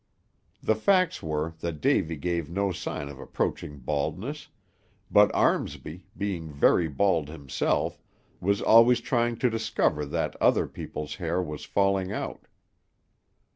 The facts were that Davy gave no sign of approaching baldness; but Armsby, being very bald himself, was always trying to discover that other people's hair was falling out.